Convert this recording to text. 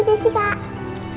tuh udah disiapin